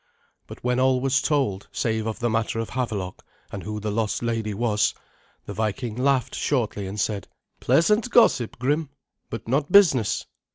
But when all was told, save of the matter of Havelok, and who the lost lady was, the Viking laughed shortly, and said, "Pleasant gossip, Grim, but not business.